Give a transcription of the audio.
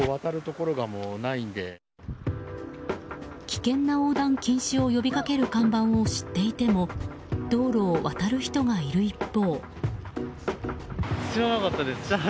危険な横断禁止を呼びかける看板を知っていても道路を渡る人がいる一方。